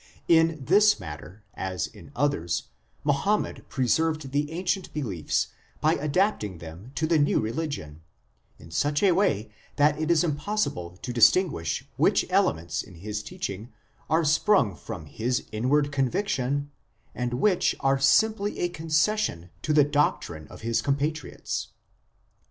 In this matter, as in others, Muhammad preserved the ancient beliefs by adapting them to the new religion, in such a way that it is impossible to distinguish which elements in his teaching are sprung from his inward conviction and which are simply a concession to the doctrine of his compatriots."